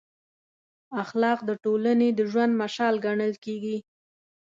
اخلاق د ټولنې د ژوند مشال ګڼل کېږي.